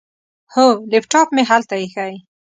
هو، لیپټاپ مې هلته ایښی.